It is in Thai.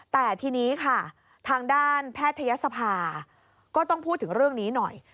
แต่ทีนี้ค่ะทางด้านแพทยศภาก็ต้องพูดถึงเรื่องนี้หน่อย